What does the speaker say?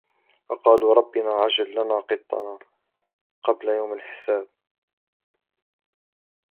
وقالوا ربنا عجل لنا قطنا قبل يوم الحساب